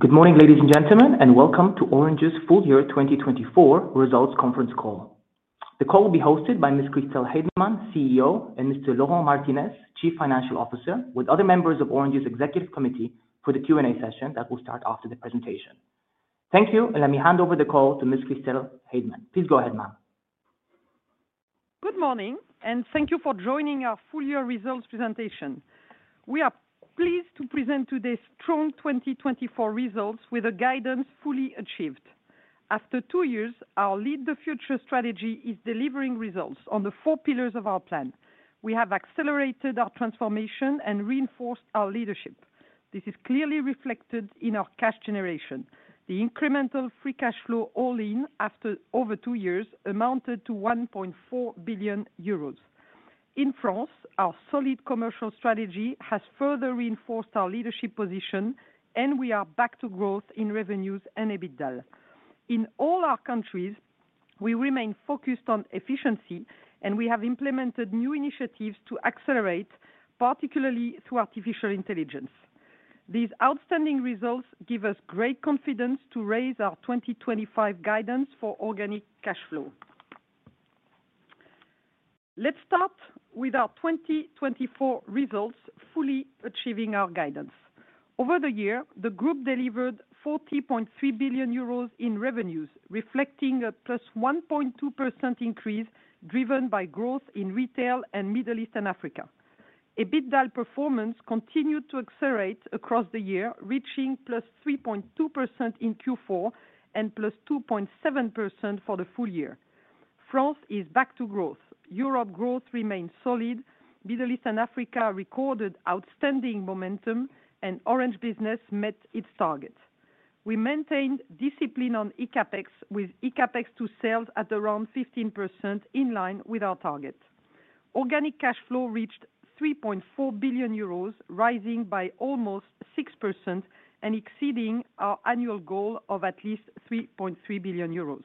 Good morning, ladies and gentlemen, and welcome to Orange's full year 2024 results conference call. The call will be hosted by Ms. Christel Heydemann, CEO, and Mr. Laurent Martinez, Chief Financial Officer, with other members of Orange's Executive Committee for the Q&A session that will start after the presentation. Thank you, and let me hand over the call to Ms. Christel Heydemann. Please go ahead, ma'am. Good morning, and thank you for joining our full year results presentation. We are pleased to present today's strong 2024 results with the guidance fully achieved. After two years, our Lead the Future strategy is delivering results on the four pillars of our plan. We have accelerated our transformation and reinforced our leadership. This is clearly reflected in our cash generation. The incremental Free Cash Flow all-in after over two years amounted to 1.4 billion euros. In France, our solid commercial strategy has further reinforced our leadership position, and we are back to growth in revenues and EBITDA. In all our countries, we remain focused on efficiency, and we have implemented new initiatives to accelerate, particularly through artificial intelligence. These outstanding results give us great confidence to raise our 2025 guidance for organic cash flow. Let's start with our 2024 results fully achieving our guidance. Over the year, the group delivered 40.3 billion euros in revenues, reflecting a plus 1.2% increase driven by growth in retail and Middle East and Africa. EBITDA performance continued to accelerate across the year, reaching +3.2% in Q4 and +2.7% for the full year. France is back to growth. Europe growth remains solid. Middle East and Africa recorded outstanding momentum, and Orange Business met its target. We maintained discipline on eCAPEX, with eCAPEX to sales at around 15% in line with our target. Organic cash flow reached 3.4 billion euros, rising by almost 6% and exceeding our annual goal of at least 3.3 billion euros.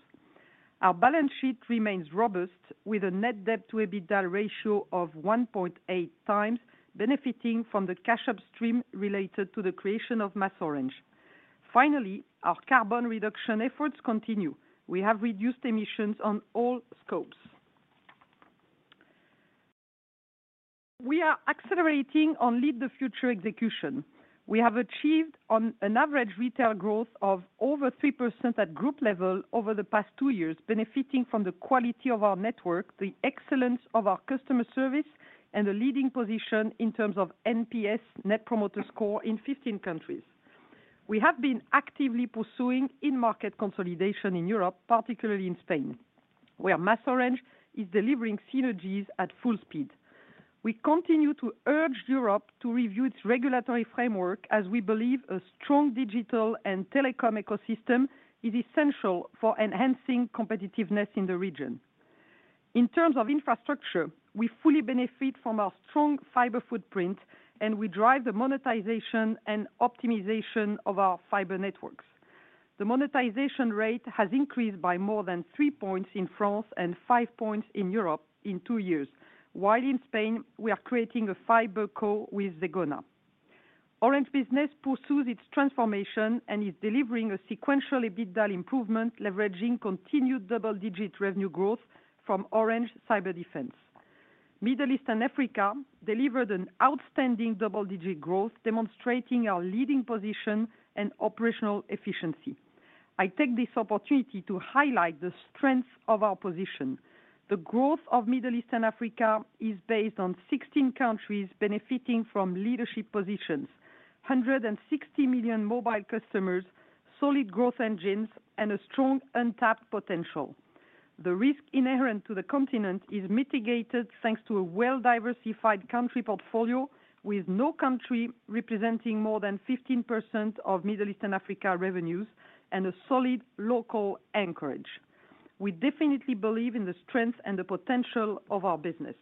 Our balance sheet remains robust, with a net debt to EBITDA ratio of 1.8 times, benefiting from the cash upstream related to the creation of MasOrange. Finally, our carbon reduction efforts continue. We have reduced emissions on all scopes. We are accelerating on Lead the Future execution. We have achieved an average retail growth of over 3% at group level over the past two years, benefiting from the quality of our network, the excellence of our customer service, and the leading position in terms of NPS net promoter score in 15 countries. We have been actively pursuing in-market consolidation in Europe, particularly in Spain, where MasOrange is delivering synergies at full speed. We continue to urge Europe to review its regulatory framework, as we believe a strong digital and telecom ecosystem is essential for enhancing competitiveness in the region. In terms of infrastructure, we fully benefit from our strong fiber footprint, and we drive the monetization and optimization of our fiber networks. The monetization rate has increased by more than three points in France and five points in Europe in two years, while in Spain, we are creating a FiberCo with Zegona. Orange Business pursues its transformation and is delivering a sequential EBITDA improvement, leveraging continued double-digit revenue growth from Orange Cyberdefense. Middle East and Africa delivered an outstanding double-digit growth, demonstrating our leading position and operational efficiency. I take this opportunity to highlight the strengths of our position. The growth of Middle East and Africa is based on 16 countries benefiting from leadership positions, 160 million mobile customers, solid growth engines, and a strong untapped potential. The risk inherent to the continent is mitigated thanks to a well-diversified country portfolio, with no country representing more than 15% of Middle East and Africa revenues and a solid local anchorage. We definitely believe in the strength and the potential of our business.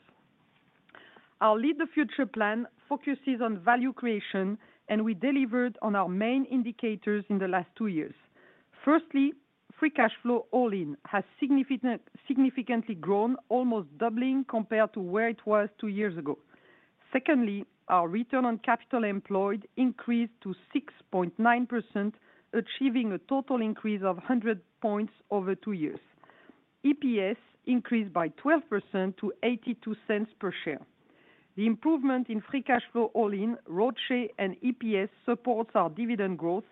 Our Lead the Future plan focuses on value creation, and we delivered on our main indicators in the last two years. Firstly, Free Cash Flow all-in has significantly grown, almost doubling compared to where it was two years ago. Secondly, our return on capital employed increased to 6.9%, achieving a total increase of 100 points over two years. EPS increased by 12% to 0.82 per share. The improvement in Free Cash Flow all-in, ROCE, and EPS supports our dividend growth.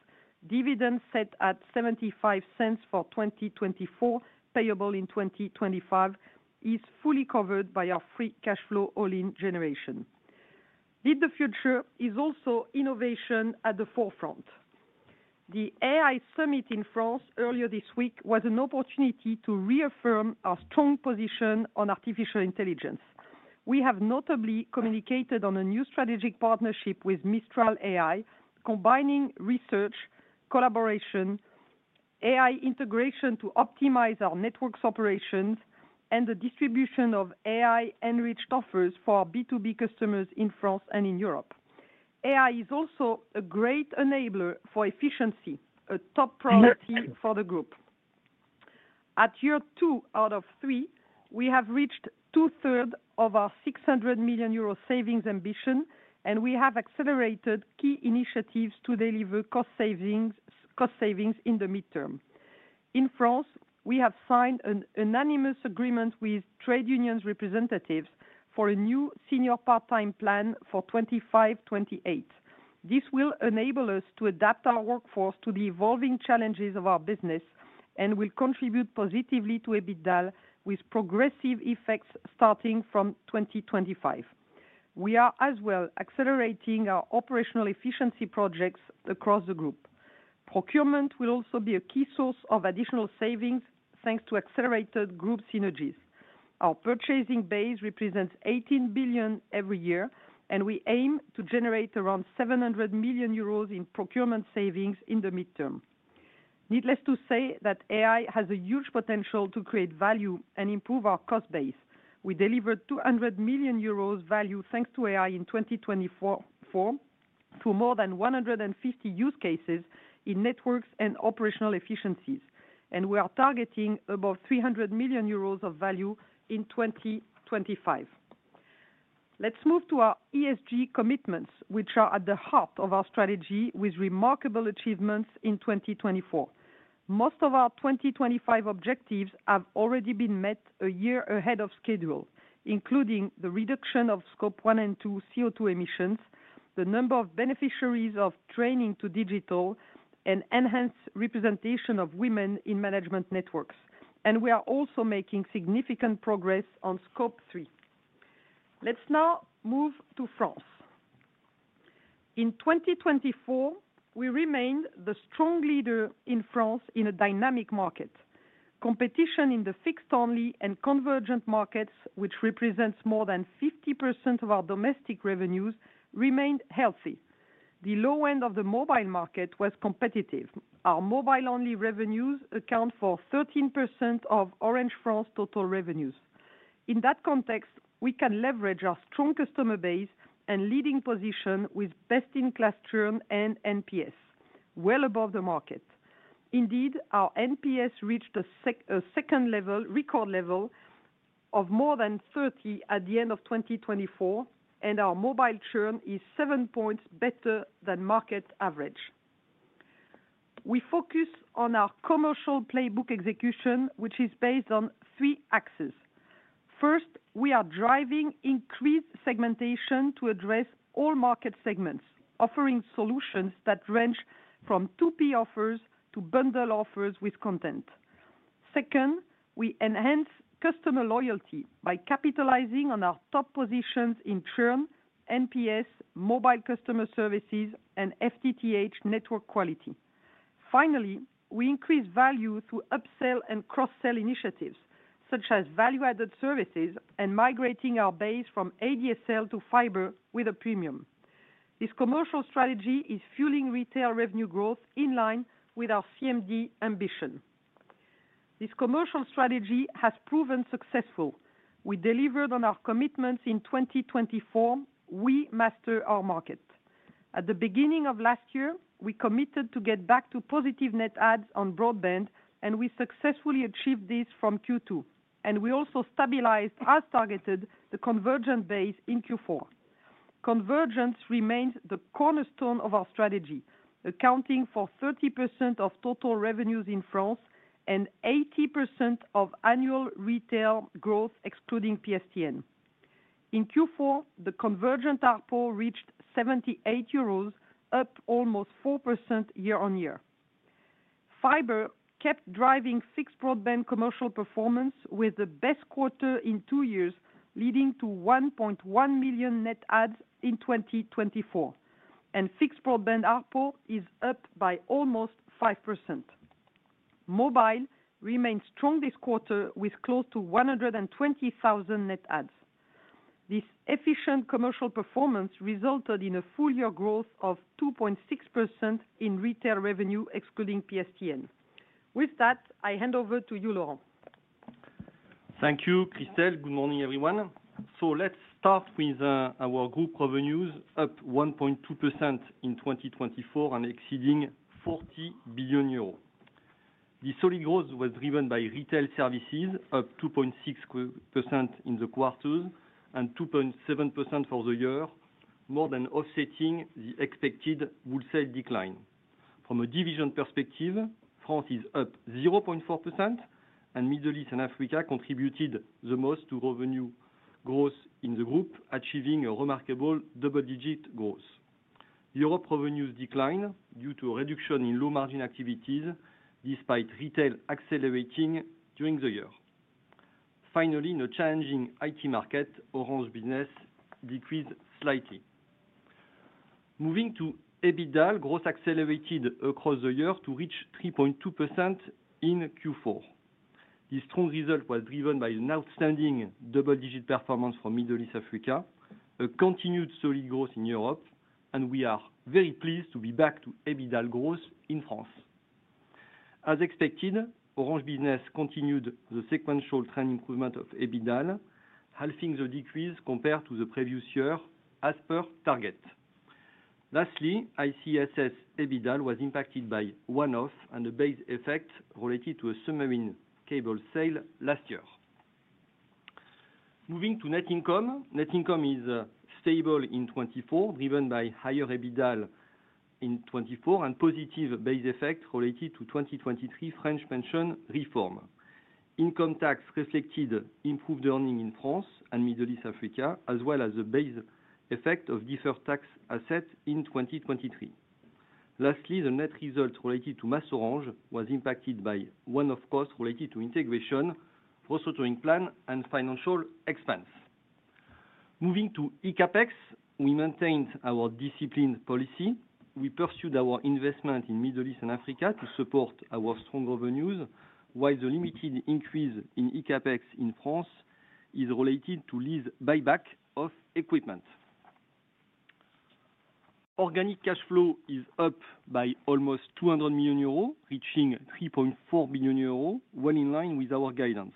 Dividend set at 0.75 for 2024, payable in 2025, is fully covered by our Free Cash Flow all-in generation. Lead the Future is also innovation at the forefront. The AI Summit in France earlier this week was an opportunity to reaffirm our strong position on artificial intelligence. We have notably communicated on a new strategic partnership with Mistral AI, combining research collaboration, AI integration to optimize our network's operations, and the distribution of AI-enriched offers for our B2B customers in France and in Europe. AI is also a great enabler for efficiency, a top priority for the group. At year two out of three, we have reached two-thirds of our 600 million euro savings ambition, and we have accelerated key initiatives to deliver cost savings in the midterm. In France, we have signed an anonymous agreement with trade unions' representatives for a new senior part-time plan for 25-28. This will enable us to adapt our workforce to the evolving challenges of our business and will contribute positively to EBITDA, with progressive effects starting from 2025. We are as well accelerating our operational efficiency projects across the group. Procurement will also be a key source of additional savings thanks to accelerated group synergies. Our purchasing base represents 18 billion every year, and we aim to generate around 700 million euros in procurement savings in the midterm. Needless to say that AI has a huge potential to create value and improve our cost base. We delivered 200 million euros value thanks to AI in 2024 through more than 150 use cases in networks and operational efficiencies, and we are targeting above 300 million euros of value in 2025. Let's move to our ESG commitments, which are at the heart of our strategy, with remarkable achievements in 2024. Most of our 2025 objectives have already been met a year ahead of schedule, including the reduction of Scope 1 and 2 CO2 emissions, the number of beneficiaries of training to digital, and enhanced representation of women in management networks. We are also making significant progress on Scope 3. Let's now move to France. In 2024, we remained the strong leader in France in a dynamic market. Competition in the fixed-only and convergent markets, which represents more than 50% of our domestic revenues, remained healthy. The low end of the mobile market was competitive. Our mobile-only revenues account for 13% of Orange France's total revenues. In that context, we can leverage our strong customer base and leading position with best-in-class churn and NPS, well above the market. Indeed, our NPS reached a second level, record level, of more than 30 at the end of 2024, and our mobile churn is seven points better than market average. We focus on our commercial playbook execution, which is based on three axes. First, we are driving increased segmentation to address all market segments, offering solutions that range from 2P offers to bundle offers with content. Second, we enhance customer loyalty by capitalizing on our top positions in churn, NPS, mobile customer services, and FTTH network quality. Finally, we increase value through upsell and cross-sell initiatives, such as value-added services and migrating our base from ADSL to fiber with a premium. This commercial strategy is fueling retail revenue growth in line with our CMD ambition. This commercial strategy has proven successful. We delivered on our commitments in 2024. We master our market. At the beginning of last year, we committed to get back to positive net adds on broadband, and we successfully achieved this from Q2, and we also stabilized, as targeted, the convergent base in Q4. Convergence remains the cornerstone of our strategy, accounting for 30% of total revenues in France and 80% of annual retail growth, excluding PSTN. In Q4, the convergent ARPO reached 78 euros, up almost 4% year-on-year. Fiber kept driving fixed broadband commercial performance with the best quarter in two years, leading to 1.1 million net adds in 2024, and fixed broadband ARPO is up by almost 5%. Mobile remained strong this quarter with close to 120,000 net adds. This efficient commercial performance resulted in a full year growth of 2.6% in retail revenue, excluding PSTN. With that, I hand over to you, Laurent. Thank you, Christel. Good morning, everyone. Let's start with our group revenues, up 1.2% in 2024 and exceeding 40 billion euros. The solid growth was driven by retail services, up 2.6% in the quarters and 2.7% for the year, more than offsetting the expected wholesale decline. From a division perspective, France is up 0.4%, and Middle East and Africa contributed the most to revenue growth in the group, achieving a remarkable double-digit growth. Europe revenues declined due to a reduction in low-margin activities, despite retail accelerating during the year. Finally, in a challenging IT market, Orange Business decreased slightly. Moving to EBITDA, growth accelerated across the year to reach 3.2% in Q4. This strong result was driven by an outstanding double-digit performance from Middle East and Africa, a continued solid growth in Europe, and we are very pleased to be back to EBITDA growth in France. As expected, Orange Business continued the sequential trend improvement of EBITDA, halving the decrease compared to the previous year as per target. Lastly, ICSS EBITDA was impacted by one-off and the base effect related to a submarine cable sale last year. Moving to net income, net income is stable in 2024, driven by higher EBITDA in 2024 and positive base effect related to 2023 French pension reform. Income tax reflected improved earnings in France and Middle East and Africa, as well as the base effect of deferred tax asset in 2023. Lastly, the net result related to MasOrange was impacted by one-off costs related to integration, procurement plan, and financial expense. Moving to eCAPEX, we maintained our disciplined policy. We pursued our investment in Middle East and Africa to support our strong revenues, while the limited increase in eCAPEX in France is related to lease buyback of equipment. Organic cash flow is up by almost 200 million euros, reaching 3.4 billion euros, well in line with our guidance.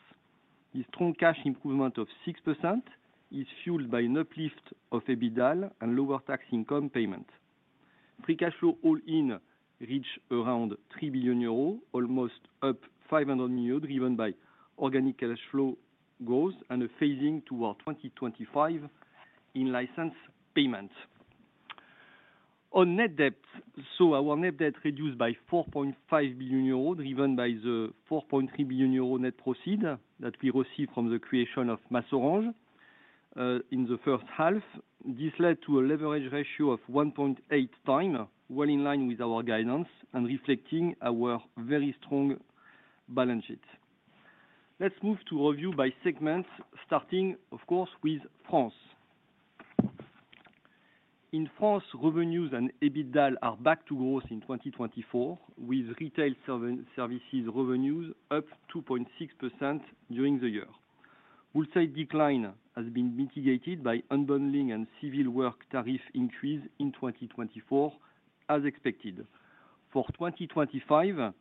The strong cash improvement of 6% is fueled by an uplift of EBITDA and lower tax income payment. Free Cash Flow all-in reached around 3 billion euros, almost up 500 million driven by organic cash flow growth and a phasing toward 2025 in license payment. On net debt, so our net debt reduced by 4.5 billion euros, driven by the 4.3 billion euro net proceeds that we received from the creation of MasOrange in the first half. This led to a leverage ratio of 1.8 times, well in line with our guidance and reflecting our very strong balance sheet. Let's move to review by segment, starting, of course, with France. In France, revenues and EBITDA are back to growth in 2024, with retail services revenues up 2.6% during the year. Wholesale decline has been mitigated by unbundling and civil work tariff increase in 2024, as expected. For 2025,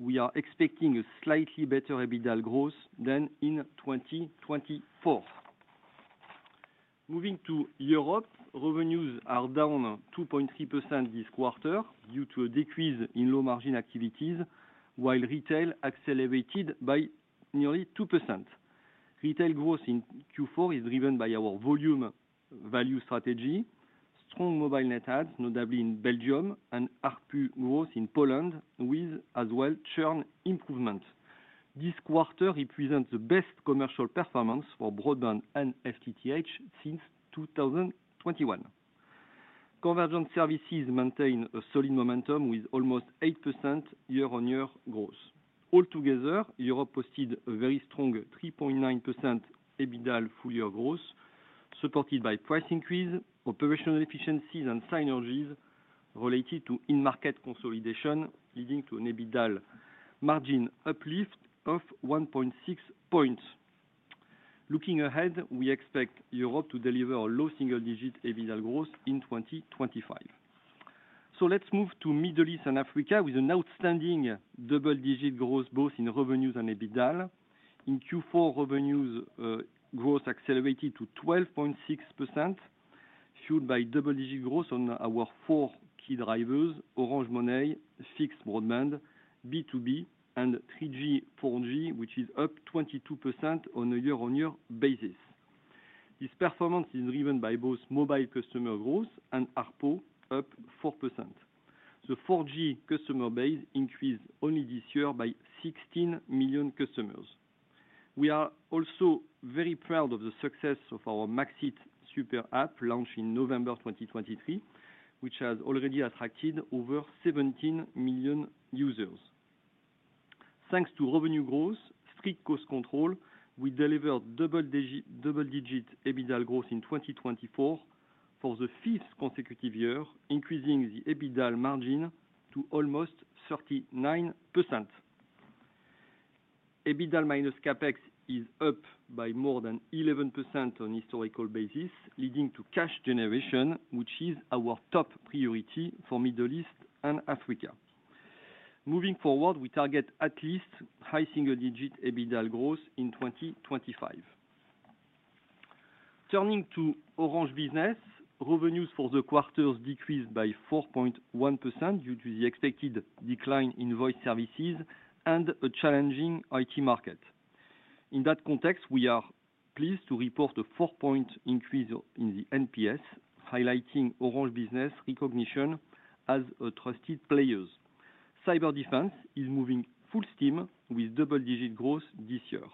we are expecting a slightly better EBITDA growth than in 2024. Moving to Europe, revenues are down 2.3% this quarter due to a decrease in low-margin activities, while retail accelerated by nearly 2%. Retail growth in Q4 is driven by our volume value strategy. Strong mobile net adds, notably in Belgium, and ARPU growth in Poland with as well churn improvement. This quarter represents the best commercial performance for broadband and FTTH since 2021. Convergent services maintain a solid momentum with almost 8% year-on-year growth. All together, Europe posted a very strong 3.9% EBITDA full-year growth, supported by price increase, operational efficiencies, and synergies related to in-market consolidation, leading to an EBITDA margin uplift of 1.6 points. Looking ahead, we expect Europe to deliver a low single-digit EBITDA growth in 2025. Let's move to Middle East and Africa with an outstanding double-digit growth both in revenues and EBITDA. In Q4, revenues growth accelerated to 12.6%, fueled by double-digit growth on our four key drivers: Orange Money, fixed broadband, B2B, and 3G/4G, which is up 22% on a year-on-year basis. This performance is driven by both mobile customer growth and ARPU, up 4%. The 4G customer base increased only this year by 16 million customers. We are also very proud of the success of our Max it super app launched in November 2023, which has already attracted over 17 million users. Thanks to revenue growth, strict cost control, we delivered double-digit EBITDA growth in 2024 for the fifth consecutive year, increasing the EBITDA margin to almost 39%. EBITDA minus CapEx is up by more than 11% on a historical basis, leading to cash generation, which is our top priority for Middle East and Africa. Moving forward, we target at least high single-digit EBITDA growth in 2025. Turning to Orange Business, revenues for the quarters decreased by 4.1% due to the expected decline in voice services and a challenging IT market. In that context, we are pleased to report a 4-point increase in the NPS, highlighting Orange Business recognition as a trusted player. Cyberdefense is moving full steam with double-digit growth this year.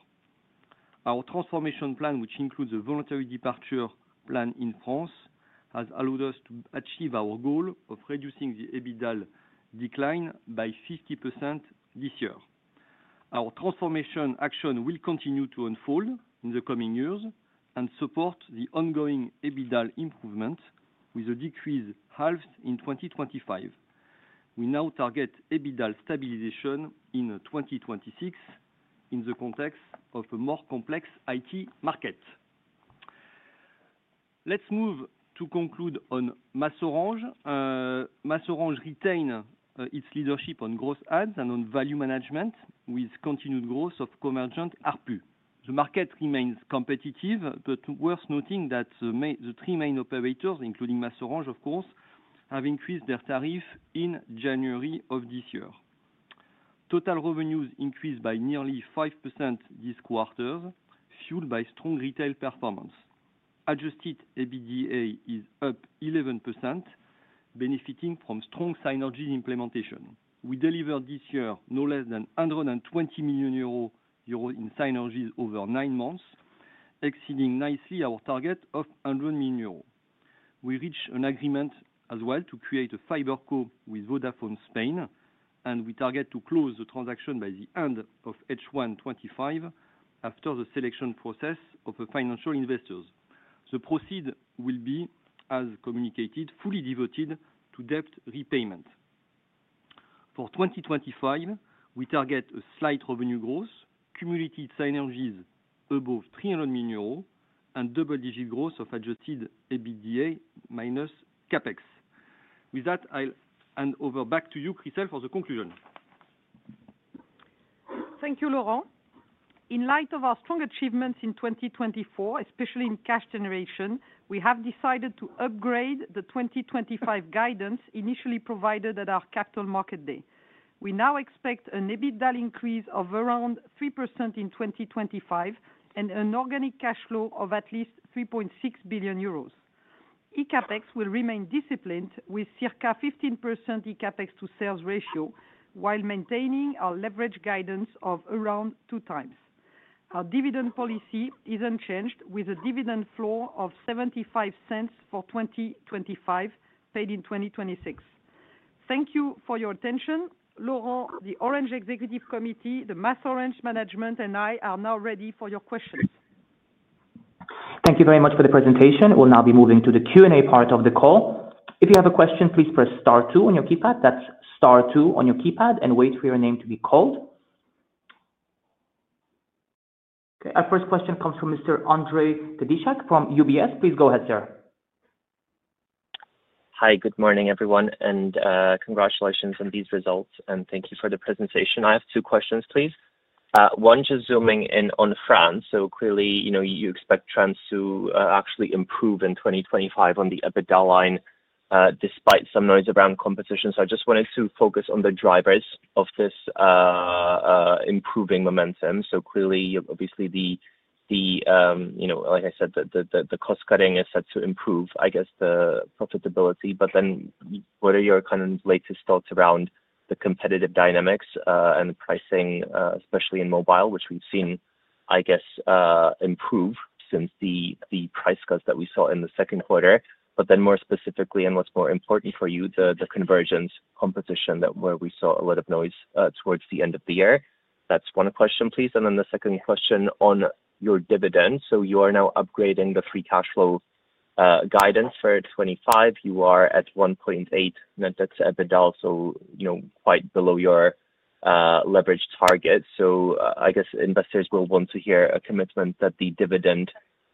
Our transformation plan, which includes a voluntary departure plan in France, has allowed us to achieve our goal of reducing the EBITDA decline by 50% this year. Our transformation action will continue to unfold in the coming years and support the ongoing EBITDA improvement with a decrease halved in 2025. We now target EBITDA stabilization in 2026 in the context of a more complex IT market. Let's move to conclude on MasOrange. MasOrange retained its leadership on gross adds and on value management with continued growth of convergent ARPU. The market remains competitive, but worth noting that the three main operators, including MasOrange, of course, have increased their tariff in January of this year. Total revenues increased by nearly 5% this quarter, fueled by strong retail performance. Adjusted EBITDA is up 11%, benefiting from strong synergy implementation. We delivered this year no less than 120 million euro in synergies over nine months, exceeding nicely our target of 100 million euro. We reached an agreement as well to create a FiberCo with Vodafone Spain, and we target to close the transaction by the end of H1 2025 after the selection process of financial investors. The proceeds will be, as communicated, fully devoted to debt repayment. For 2025, we target a slight revenue growth, cumulated synergies above 300 million euros, and double-digit growth of adjusted EBITDA minus CapEx. With that, I'll hand over back to you, Christel, for the conclusion. Thank you, Laurent. In light of our strong achievements in 2024, especially in cash generation, we have decided to upgrade the 2025 guidance initially provided at our Capital Market Day. We now expect an EBITDA increase of around 3% in 2025 and an organic cash flow of at least 3.6 billion euros. eCAPEX will remain disciplined with circa 15% eCAPEX to sales ratio, while maintaining our leverage guidance of around two times. Our dividend policy is unchanged, with a dividend floor of 0.75 for 2025, paid in 2026. Thank you for your attention. Laurent, the Orange Executive Committee, the MasOrange management, and I are now ready for your questions. Thank you very much for the presentation. We'll now be moving to the Q&A part of the call. If you have a question, please press star two on your keypad. That's star two on your keypad and wait for your name to be called. Okay, our first question comes from Mr. Ondřej Cabejšek from UBS. Please go ahead, sir. Hi, good morning, everyone, and congratulations on these results, and thank you for the presentation. I have two questions, please. One, just zooming in on France. So clearly, you expect trends to actually improve in 2025 on the EBITDA line, despite some noise around competition. So I just wanted to focus on the drivers of this improving momentum. So clearly, obviously, like I said, the cost cutting is set to improve, I guess, the profitability. But then what are your kind of latest thoughts around the competitive dynamics and pricing, especially in mobile, which we've seen, I guess, improve since the price cuts that we saw in the second quarter? But then more specifically, and what's more important for you, the convergence competition, where we saw a lot of noise towards the end of the year. That's one question, please. And then the second question on your dividend. You are now upgrading the Free Cash Flow guidance for 2025. You are at 1.8 net EBITDA, so quite below your leverage target. I guess investors will want to hear a commitment that the dividend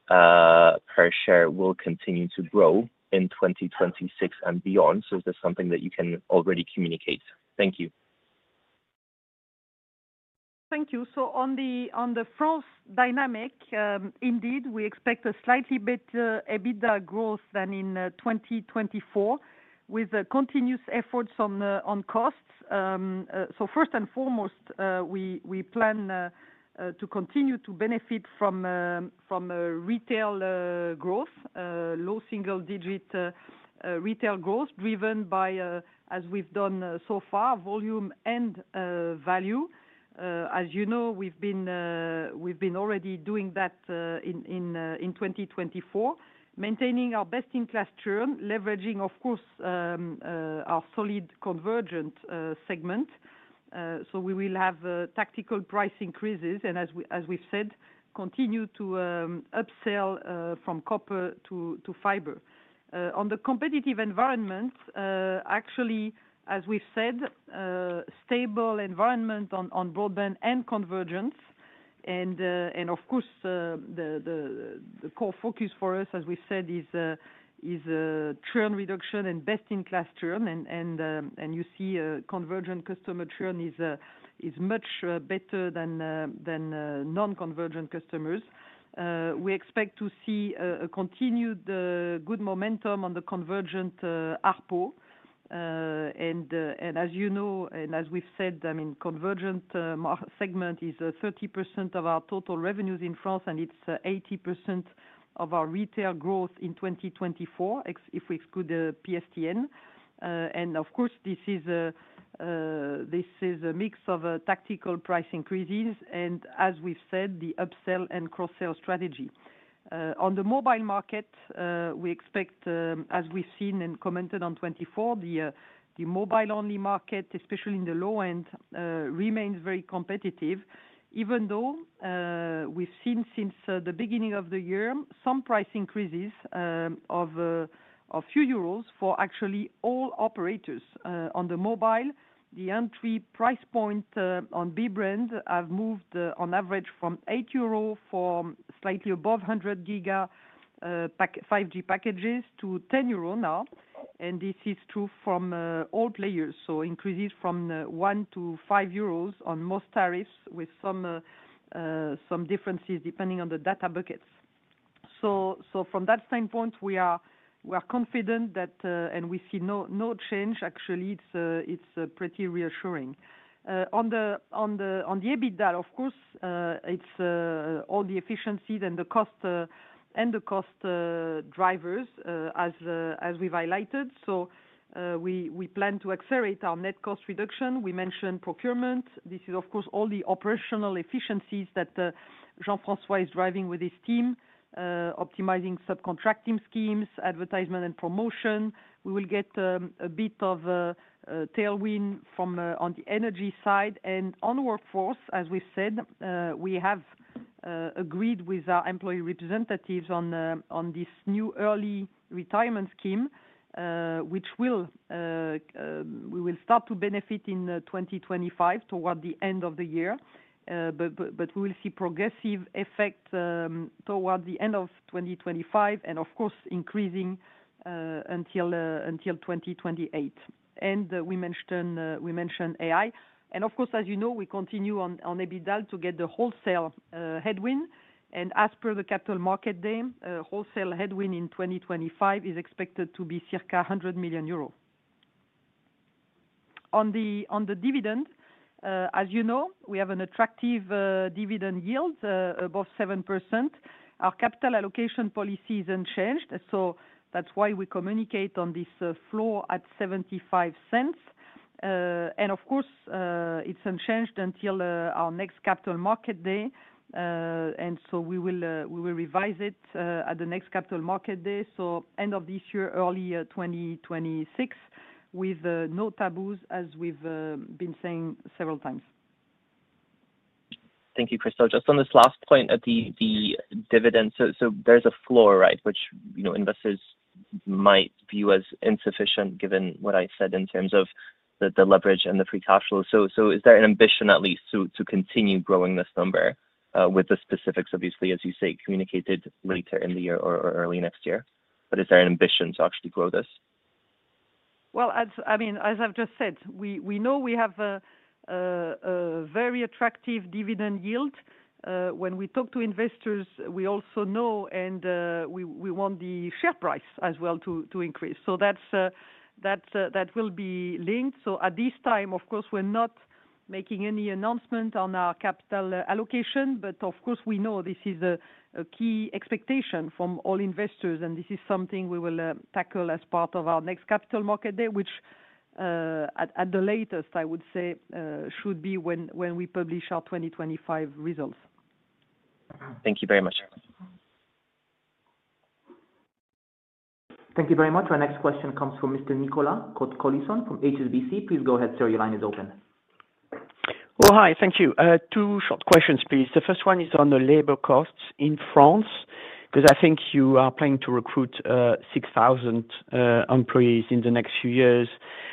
per share will continue to grow in 2026 and beyond. Is this something that you can already communicate? Thank you. Thank you. So on the France dynamic, indeed, we expect a slightly better EBITDA growth than in 2024, with continuous efforts on costs. So first and foremost, we plan to continue to benefit from retail growth, low single-digit retail growth, driven by, as we've done so far, volume and value. As you know, we've been already doing that in 2024, maintaining our best-in-class churn, leveraging, of course, our solid convergent segment. So we will have tactical price increases and, as we've said, continue to upsell from copper to fiber. On the competitive environment, actually, as we've said, stable environment on broadband and convergence. And of course, the core focus for us, as we've said, is churn reduction and best-in-class churn. And you see convergent customer churn is much better than non-convergent customers. We expect to see a continued good momentum on the convergent ARPU. As you know, and as we've said, I mean, the convergent segment is 30% of our total revenues in France, and it's 80% of our retail growth in 2024, if we exclude the PSTN. Of course, this is a mix of tactical price increases and, as we've said, the upsell and cross-sell strategy. On the mobile market, we expect, as we've seen and commented on 2024, the mobile-only market, especially in the low end, remains very competitive, even though we've seen since the beginning of the year some price increases of a few euros for actually all operators. On the mobile, the entry price point on B-brand has moved on average from 8 euro for slightly above 100 gig 5G packages to 10 euro now. This is true from all players, so increases from 1 to 5 euros on most tariffs, with some differences depending on the data buckets. From that standpoint, we are confident that, and we see no change. Actually, it's pretty reassuring. On the EBITDA, of course, it's all the efficiencies and the cost drivers, as we've highlighted. We plan to accelerate our net cost reduction. We mentioned procurement. This is, of course, all the operational efficiencies that Jean-François is driving with his team, optimizing subcontracting schemes, advertisement, and promotion. We will get a bit of tailwind on the energy side. And on workforce, as we've said, we have agreed with our employee representatives on this new early retirement scheme, which we will start to benefit in 2025 toward the end of the year. But we will see progressive effect toward the end of 2025 and, of course, increasing until 2028. And we mentioned AI. And of course, as you know, we continue on EBITDA to get the wholesale headwind. As per the Capital Market Day, wholesale headwind in 2025 is expected to be circa 100 million euros. On the dividend, as you know, we have an attractive dividend yield above 7%. Our capital allocation policy is unchanged. So that's why we communicate on this floor at 0.75. And of course, it's unchanged until our next Capital Market Day. And so we will revise it at the next Capital Market Day, so end of this year, early 2026, with no taboos, as we've been saying several times. Thank you, Christel. Just on this last point at the dividend, so there's a floor, right, which investors might view as insufficient given what I said in terms of the leverage and the free cash flow. So is there an ambition, at least, to continue growing this number with the specifics, obviously, as you say, communicated later in the year or early next year? But is there an ambition to actually grow this? Well, I mean, as I've just said, we know we have a very attractive dividend yield. When we talk to investors, we also know, and we want the share price as well to increase. So that will be linked. So at this time, of course, we're not making any announcement on our capital allocation, but of course, we know this is a key expectation from all investors, and this is something we will tackle as part of our next Capital Market Day, which at the latest, I would say, should be when we publish our 2025 results. Thank you very much. Thank you very much. Our next question comes from Mr. Nicolas Côté-Colisson from HSBC. Please go ahead. Sir, your line is open. Oh, hi. Thank you. Two short questions, please. The first one is on the labor costs in France, because I think you are planning to recruit 6,000 employees in the next few years.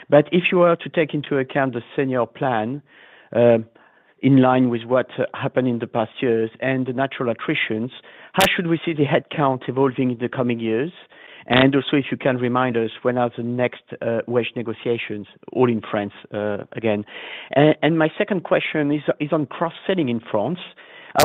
But if you were to take into account the senior plan in line with what happened in the past years and the natural attritions, how should we see the headcount evolving in the coming years? And also, if you can remind us, when are the next wage negotiations all in France again? And my second question is on cross-selling in France.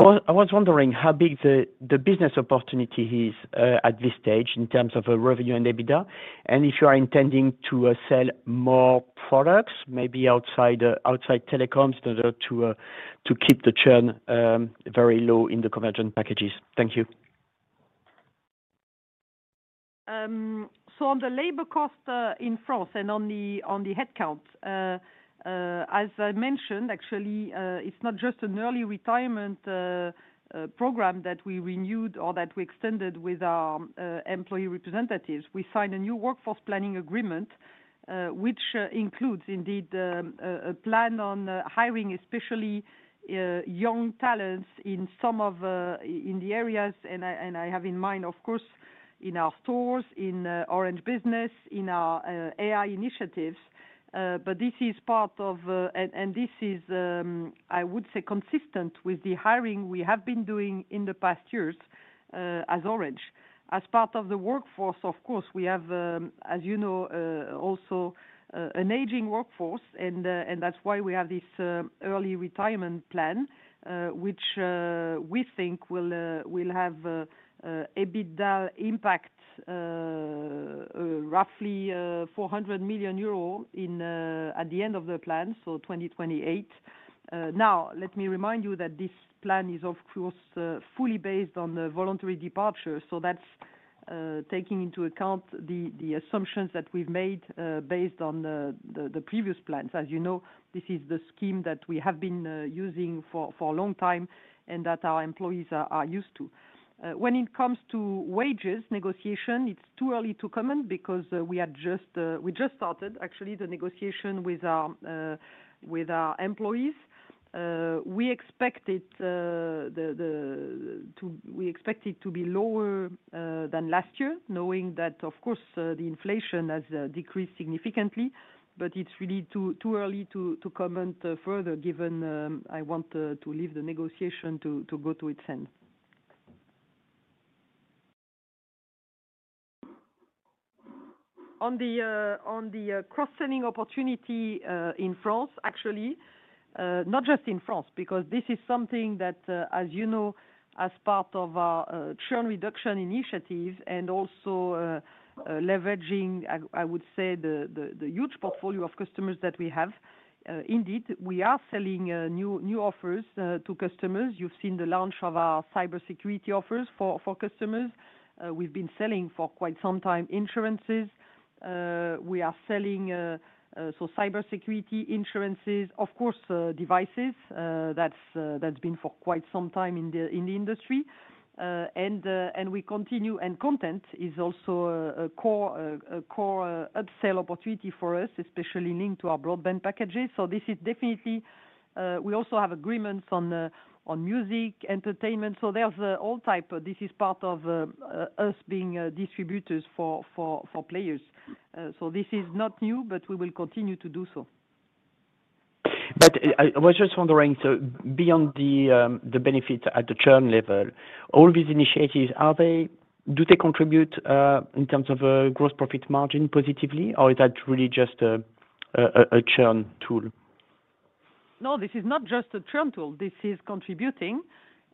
I was wondering how big the business opportunity is at this stage in terms of revenue and EBITDA, and if you are intending to sell more products, maybe outside telecoms, in order to keep the churn very low in the convergent packages. Thank you. So on the labor cost in France and on the headcount, as I mentioned, actually, it's not just an early retirement program that we renewed or that we extended with our employee representatives. We signed a new workforce planning agreement, which includes, indeed, a plan on hiring especially young talents in some of the areas, and I have in mind, of course, in our stores, in Orange Business, in our AI initiatives. But this is part of, and this is, I would say, consistent with the hiring we have been doing in the past years as Orange. As part of the workforce, of course, we have, as you know, also an aging workforce, and that's why we have this early retirement plan, which we think will have EBITDA impact, roughly 400 million euro at the end of the plan, so 2028. Now, let me remind you that this plan is, of course, fully based on voluntary departure. So that's taking into account the assumptions that we've made based on the previous plans. As you know, this is the scheme that we have been using for a long time and that our employees are used to. When it comes to wages negotiation, it's too early to comment because we just started, actually, the negotiation with our employees. We expect it to be lower than last year, knowing that, of course, the inflation has decreased significantly, but it's really too early to comment further, given I want to leave the negotiation to go to its end. On the cross-selling opportunity in France, actually not just in France, because this is something that, as you know, as part of our churn reduction initiative and also leveraging, I would say, the huge portfolio of customers that we have, indeed we are selling new offers to customers. You've seen the launch of our cybersecurity offers for customers. We've been selling insurances for quite some time. We are selling, so cybersecurity insurances, of course, devices. That's been for quite some time in the industry, and we continue, and content is also a core upsell opportunity for us, especially linked to our broadband packages. This is definitely; we also have agreements on music, entertainment. So there's all type. This is part of us being distributors for players. This is not new, but we will continue to do so. But I was just wondering, so beyond the benefits at the churn level, all these initiatives, do they contribute in terms of gross profit margin positively, or is that really just a churn tool? No, this is not just a churn tool. This is contributing.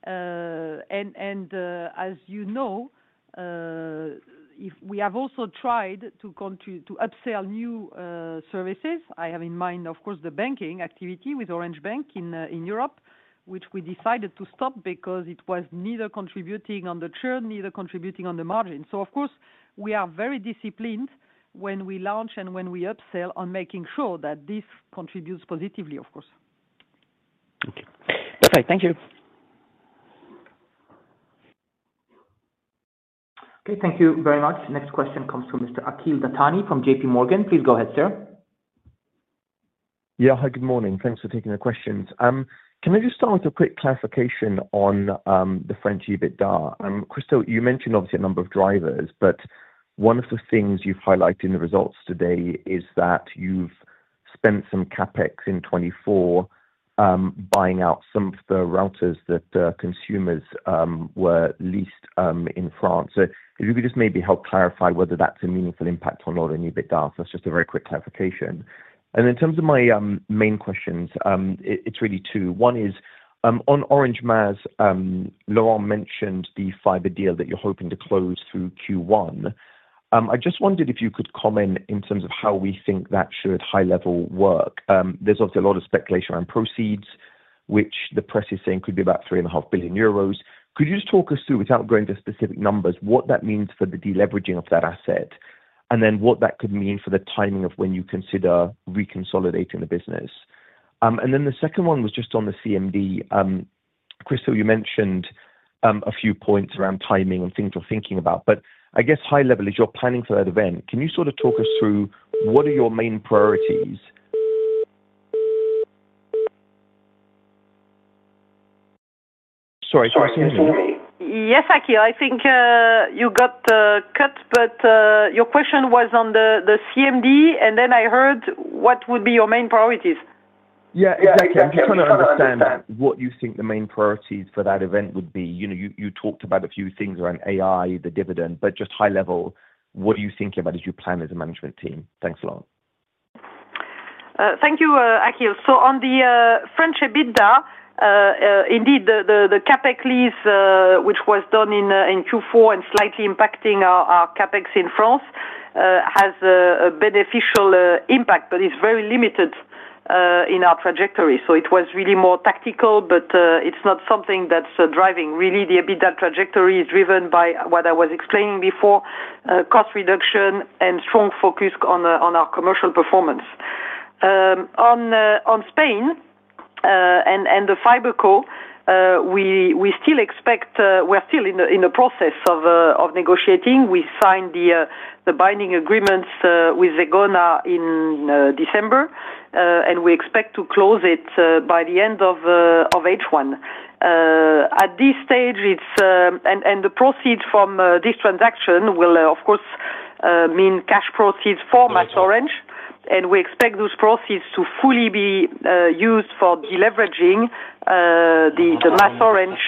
And as you know, we have also tried to upsell new services. I have in mind, of course, the banking activity with Orange Bank in Europe, which we decided to stop because it was neither contributing on the churn nor contributing on the margin. So, of course, we are very disciplined when we launch and when we upsell on making sure that this contributes positively, of course. Okay. Perfect. Thank you. Okay. Thank you very much. Next question comes from Mr. Akhil Dattani from JPMorgan. Please go ahead, sir. Yeah. Hi, good morning. Thanks for taking the questions. Can I just start with a quick clarification on the French EBITDA? Christel, you mentioned, obviously, a number of drivers, but one of the things you've highlighted in the results today is that you've spent some CapEx in 2024 buying out some of the routers that consumers were leased in France. So if you could just maybe help clarify whether that's a meaningful impact on all the EBITDA. So that's just a very quick clarification. And in terms of my main questions, it's really two. One is, on MasOrange, Laurent mentioned the fiber deal that you're hoping to close through Q1. I just wondered if you could comment in terms of how we think that should high-level work. There's obviously a lot of speculation around proceeds, which the press is saying could be about 3.5 billion euros. Could you just talk us through, without going to specific numbers, what that means for the deleveraging of that asset, and then what that could mean for the timing of when you consider reconsolidating the business? And then the second one was just on the CMD. Christel, you mentioned a few points around timing and things we're thinking about. But I guess high-level, as you're planning for that event, can you sort of talk us through what are your main priorities? Sorry. Yes, Akhil. I think you got cut, but your question was on the CMD, and then I heard what would be your main priorities. Yeah, exactly. I'm trying to understand what you think the main priorities for that event would be. You talked about a few things around AI, the dividend, but just high-level, what are you thinking about as you plan as a management team? Thanks a lot. Thank you, Akhil. So on the French EBITDA, indeed, the CapEx lease, which was done in Q4 and slightly impacting our CapEx in France, has a beneficial impact, but it's very limited in our trajectory. So it was really more tactical, but it's not something that's driving. Really, the EBITDA trajectory is driven by what I was explaining before: cost reduction and strong focus on our commercial performance. On Spain and the FiberCo, we still expect we're in the process of negotiating. We signed the binding agreements with Zegona in December, and we expect to close it by the end of H1. At this stage, and the proceeds from this transaction will, of course, mean cash proceeds for MasOrange, and we expect those proceeds to fully be used for deleveraging the MasOrange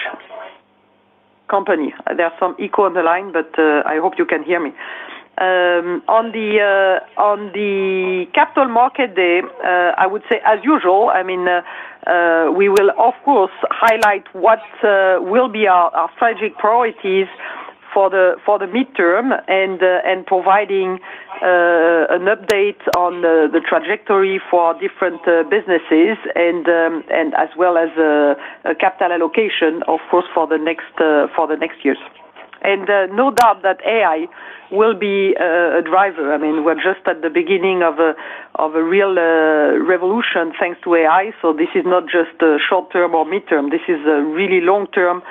company. There's some echo on the line, but I hope you can hear me. On the Capital Market Day, I would say, as usual, I mean, we will, of course, highlight what will be our strategic priorities for the midterm and providing an update on the trajectory for different businesses, and as well as capital allocation, of course, for the next years. And no doubt that AI will be a driver. I mean, we're just at the beginning of a real revolution thanks to AI. So this is not just short-term or midterm. This is a really long-term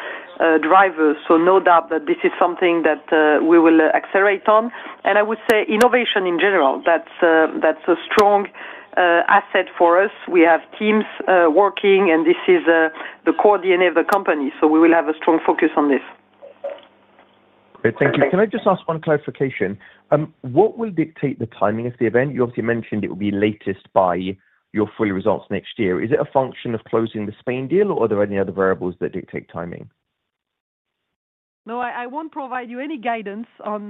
driver. So no doubt that this is something that we will accelerate on. And I would say innovation in general, that's a strong asset for us. We have teams working, and this is the core DNA of the company. So we will have a strong focus on this. Great. Thank you. Can I just ask one clarification? What will dictate the timing of the event? You obviously mentioned it will be latest by your full results next year. Is it a function of closing the Spain deal, or are there any other variables that dictate timing? No, I won't provide you any guidance on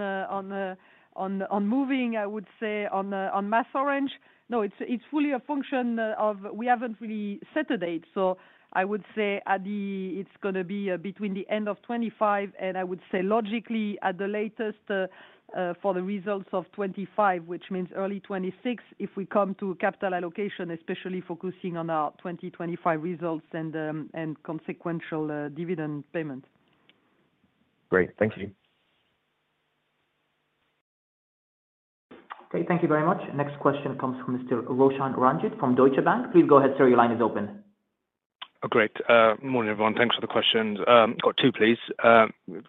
moving, I would say, on MasOrange. No, it's fully a function of we haven't really set a date. So I would say it's going to be between the end of 2025, and I would say logically at the latest for the results of 2025, which means early 2026 if we come to capital allocation, especially focusing on our 2025 results and consequential dividend payment. Great. Thank you. Okay. Thank you very much. Next question comes from Mr. Roshan Ranjit from Deutsche Bank. Please go ahead, sir. Your line is open. Oh, great. Good morning, everyone. Thanks for the questions. Got two, please.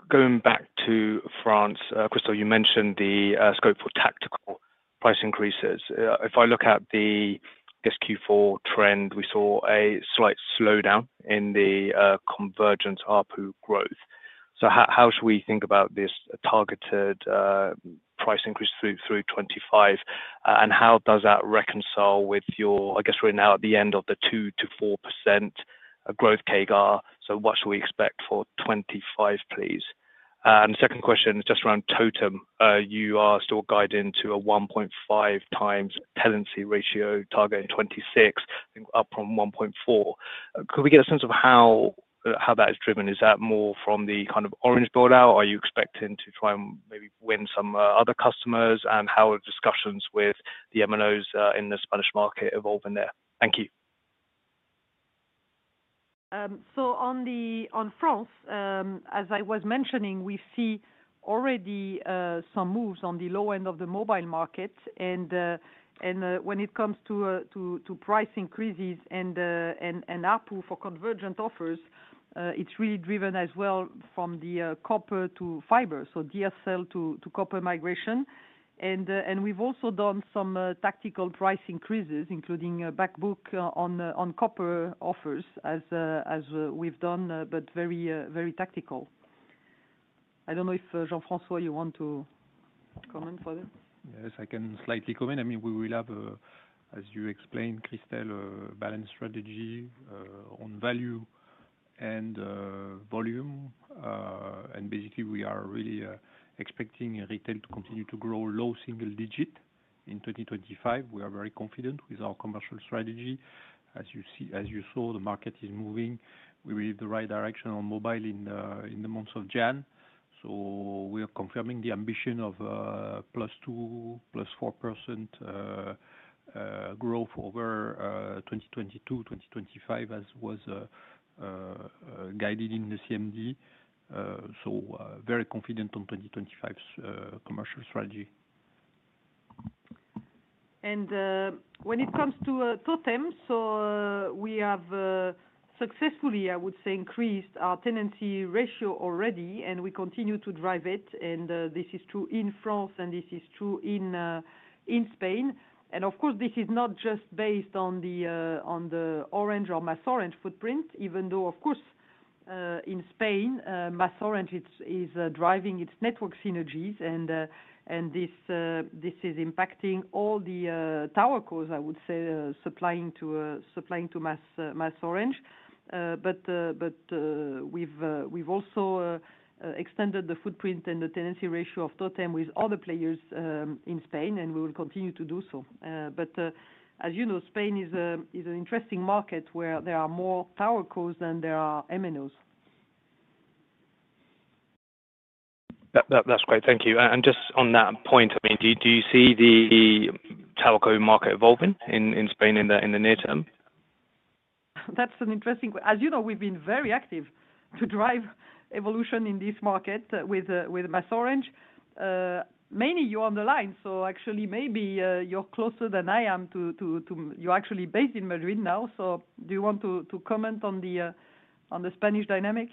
Going back to France, Christel, you mentioned the scope for tactical price increases. If I look at the, I guess, Q4 trend, we saw a slight slowdown in the convergent ARPU growth. So how should we think about this targeted price increase through 2025, and how does that reconcile with your, I guess, we're now at the end of the 2%-4% growth CAGR? So what should we expect for 2025, please? And the second question is just around Totem. You are still guiding to a 1.5x tenancy ratio target in 2026, up from 1.4. Could we get a sense of how that is driven? Is that more from the kind of Orange buildout? Are you expecting to try and maybe win some other customers, and how are discussions with the MNOs in the Spanish market evolving there? Thank you. So on France, as I was mentioning, we see already some moves on the low end of the mobile market. And when it comes to price increases and ARPU for convergent offers, it's really driven as well from the copper to fiber, so DSL to fiber migration. And we've also done some tactical price increases, including backbook on copper offers, as we've done, but very tactical. I don't know if Jean-François, you want to comment further? Yes, I can slightly comment. I mean, we will have, as you explained, Christel, a balanced strategy on value and volume. And basically, we are really expecting retail to continue to grow low single digit in 2025. We are very confident with our commercial strategy. As you saw, the market is moving. We were in the right direction on mobile in the months of January. So we are confirming the ambition of +2%, +4% growth over 2022, 2025, as was guided in the CMD. So very confident on 2025's commercial strategy. When it comes to Totem, so we have successfully, I would say, increased our tenancy ratio already, and we continue to drive it. This is true in France, and this is true in Spain. Of course, this is not just based on the Orange or MasOrange footprint, even though, of course, in Spain, MasOrange is driving its network synergies, and this is impacting all the TowerCos, I would say, supplying to MasOrange. We've also extended the footprint and the tenancy ratio of Totem with other players in Spain, and we will continue to do so. As you know, Spain is an interesting market where there are more TowerCos than there are MNOs. That's great. Thank you, and just on that point, I mean, do you see the Towerco market evolving in Spain in the near term? That's an interesting question. As you know, we've been very active to drive evolution in this market with MasOrange. Meinrad, you're on the line, so actually, maybe you're closer than I am to, you're actually based in Madrid now, so do you want to comment on the Spanish dynamic,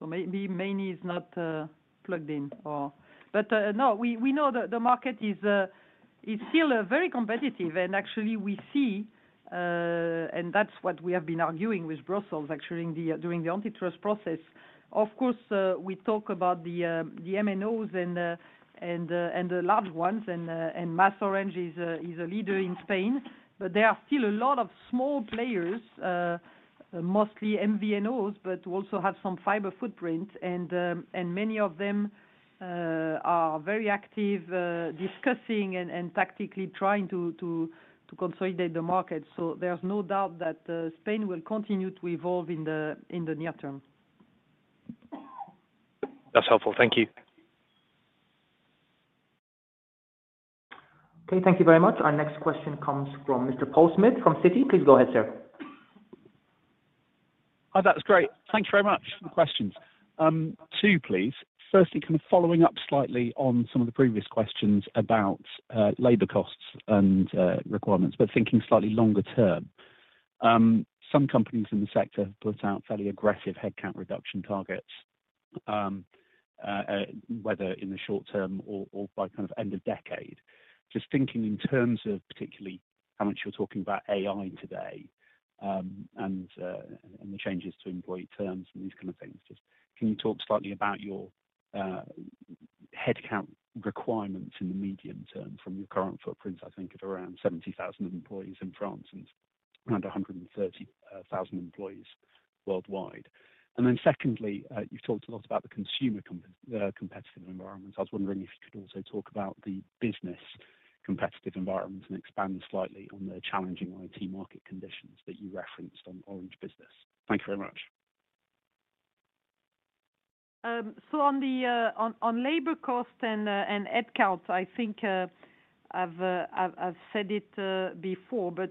so maybe Mein is not plugged in, but no, we know the market is still very competitive, and actually, we see, and that's what we have been arguing with Brussels, actually, during the antitrust process. Of course, we talk about the MNOs and the large ones, and MasOrange is a leader in Spain, but there are still a lot of small players, mostly MVNOs, but also have some fiber footprint, and many of them are very active discussing and tactically trying to consolidate the market, so there's no doubt that Spain will continue to evolve in the near term. That's helpful. Thank you. Okay. Thank you very much. Our next question comes from Mr. Paul Smith from Citi. Please go ahead, sir. Oh, that's great. Thanks very much for the questions. Two, please. Firstly, kind of following up slightly on some of the previous questions about labor costs and requirements, but thinking slightly longer term. Some companies in the sector have put out fairly aggressive headcount reduction targets, whether in the short term or by kind of end of decade. Just thinking in terms of particularly how much you're talking about AI today and the changes to employee terms and these kind of things. Just can you talk slightly about your headcount requirements in the medium term from your current footprint? I think of around 70,000 employees in France and around 130,000 employees worldwide. And then secondly, you've talked a lot about the consumer competitive environment. I was wondering if you could also talk about the business competitive environment and expand slightly on the challenging IT market conditions that you referenced on Orange Business? Thank you very much. On labor costs and headcounts, I think I've said it before, but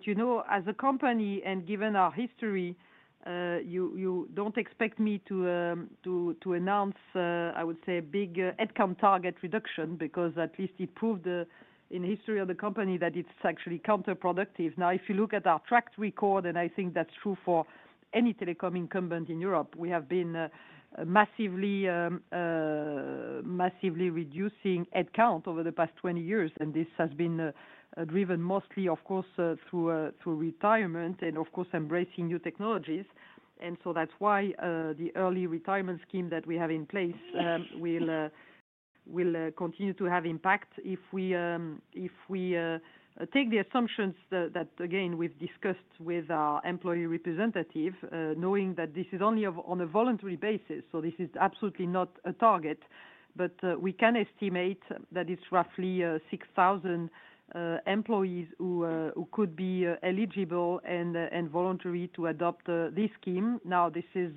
as a company and given our history, you don't expect me to announce, I would say, a big headcount target reduction because at least it proved in history of the company that it's actually counterproductive. Now, if you look at our track record, and I think that's true for any telecom incumbent in Europe, we have been massively reducing headcount over the past 20 years, and this has been driven mostly, of course, through retirement and, of course, embracing new technologies. And so that's why the early retirement scheme that we have in place will continue to have impact. If we take the assumptions that, again, we've discussed with our employee representative, knowing that this is only on a voluntary basis, so this is absolutely not a target, but we can estimate that it's roughly 6,000 employees who could be eligible and voluntary to adopt this scheme. Now, this is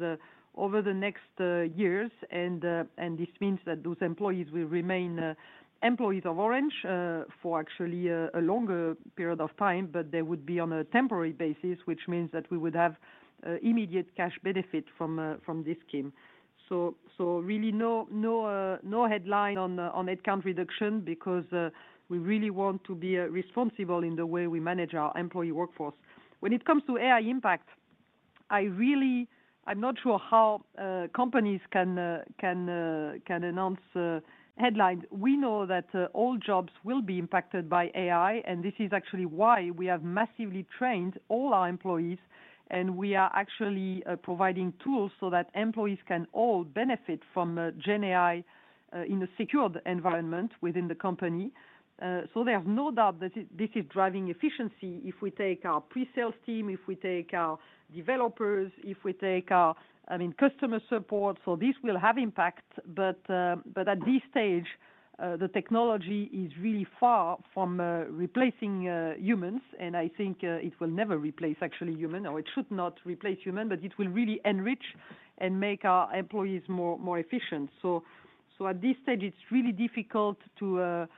over the next years, and this means that those employees will remain employees of Orange for actually a longer period of time, but they would be on a temporary basis, which means that we would have immediate cash benefit from this scheme. So really no headline on headcount reduction because we really want to be responsible in the way we manage our employee workforce. When it comes to AI impact, I'm not sure how companies can announce headlines. We know that all jobs will be impacted by AI, and this is actually why we have massively trained all our employees, and we are actually providing tools so that employees can all benefit from GenAI in a secured environment within the company, so there's no doubt that this is driving efficiency if we take our pre-sales team, if we take our developers, if we take our, I mean, customer support, so this will have impact, but at this stage, the technology is really far from replacing humans, and I think it will never replace actually human, or it should not replace human, but it will really enrich and make our employees more efficient. So at this stage, it's really difficult to